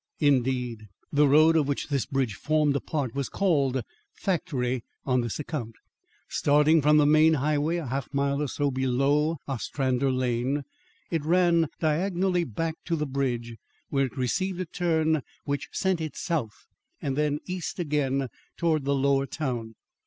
Indeed the road of which this bridge formed a part was called Factory on this account. Starting from the main highway a half mile or so below Ostrander Lane, it ran diagonally back to the bridge, where it received a turn which sent it south and east again towards the lower town.